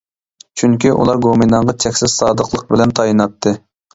چۈنكى ئۇلار گومىنداڭغا چەكسىز سادىقلىق بىلەن تايىناتتى.